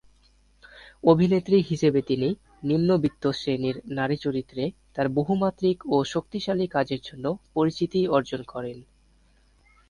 অভিনেত্রী হিসেবে তিনি নিম্নবিত্ত শ্রেণির নারী চরিত্রে তার বহুমাত্রিক ও শক্তিশালী কাজের জন্য পরিচিতি অর্জন করেন।